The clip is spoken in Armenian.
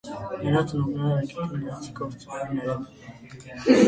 Նրա ծնողները արգենտինացի գործարարներ են։